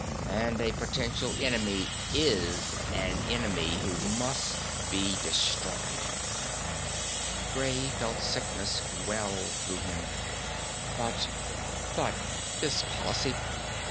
And a potential enemy is an enemy, who must be destroyed." Gray felt sickness well through him "But ... but this policy....